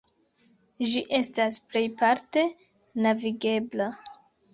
Ĝi estas plejparte navigebla.